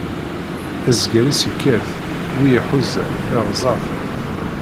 Azger-is ikkat, wi iḥuza iṛẓa-t.